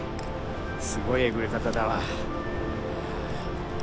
すごいえぐれ方だわ。